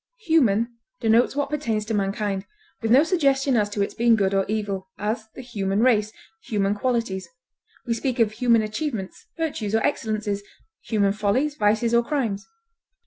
Human denotes what pertains to mankind, with no suggestion as to its being good or evil; as, the human race; human qualities; we speak of human achievements, virtues, or excellences, human follies, vices, or crimes.